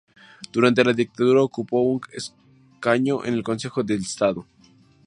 Durante la dictadura, ocupó un escaño en el Consejo de Estado.